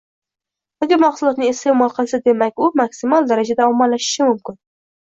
yoki mahsulotni iste’mol qilsa demak u maksimal darajada ommalashishi mumkin